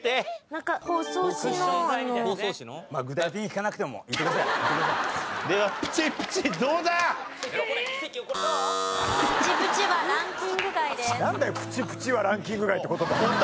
なんだよ「プチプチはランキング外」って言葉。